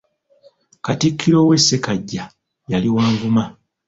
Katikkiro we Ssekaggya yali Wanvuma.